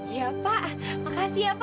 iya pak makasih ya pak ya